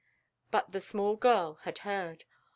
But the small girl had heard.